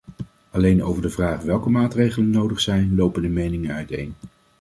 Alleen over de vraag welke maatregelen nodig zijn lopen de meningen uiteen.